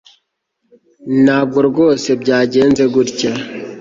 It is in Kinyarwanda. Ntabwo rwose byagenze gutya